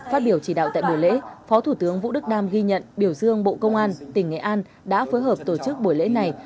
phát biểu chỉ đạo tại buổi lễ phó thủ tướng vũ đức đam ghi nhận biểu dương bộ công an tỉnh nghệ an đã phối hợp tổ chức buổi lễ này